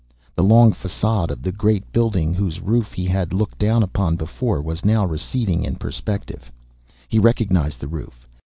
The long façade of the great building, whose roof he had looked down upon before, was now receding in perspective. He recognised the roof.